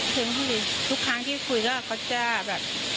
ไม่เคยพูดไม่ดีไม่เคยพูดไม่ดีทุกครั้งที่คุยก็เค้าจะแบบ